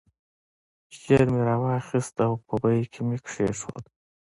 ژر مې راواخیست او په بیک کې مې کېښود.